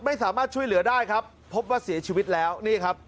ไม่สามารถช่วยเหลือได้ครับพบว่าเสียชีวิตแล้วนี่ครับ